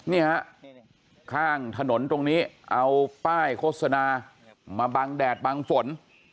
นี่ฮะข้างถนนตรงนี้เอาป้ายโฆษณามาบังแดดบังฝน